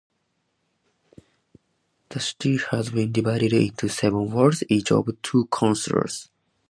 The city has been divided into seven wards, each of two councillors.